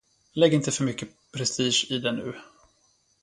Lägg inte för mycket prestige i det nu.